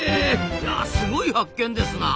いやすごい発見ですなあ。